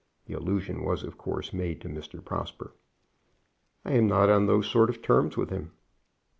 The allusion was, of course, made to Mr. Prosper. "I am not on those sort of terms with him."